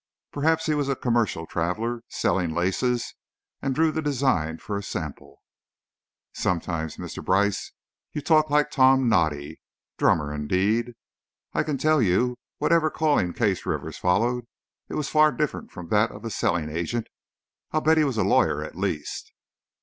Perhaps he was a commercial traveler, selling laces, and drew the design for a sample." "Sometimes, Mr. Brice, you talk like a Tom noddy! Drummer, indeed! I can tell you whatever calling Case Rivers followed, it was far different from that of a selling agent! I'll bet he was a lawyer, at least!"